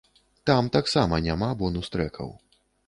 Там таксама няма бонус-трэкаў.